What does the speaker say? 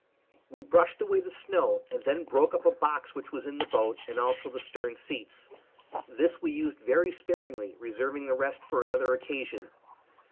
We brushed away the snow, and then broke up a box which was in the boat, and also the stern seats. This we used very sparingly, reserving the rest for another occasion.